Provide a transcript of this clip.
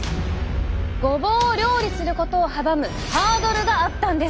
ごぼうを料理することを阻むハードルがあったんです！